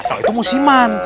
ah itu musiman